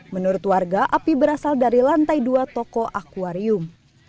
menurut warga api berasal dari lantai dua toko akwarium